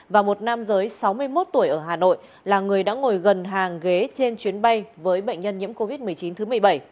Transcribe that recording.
và một nam giới sáu mươi một tuổi ở hà nội là người đã ngồi gần hàng ghế trên chuyến bay với bệnh nhân nhiễm covid một mươi chín thứ một mươi bảy